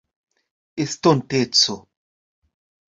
estonteco